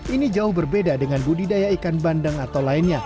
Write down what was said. ini jauh berbeda dengan budidaya ikan bandeng atau lainnya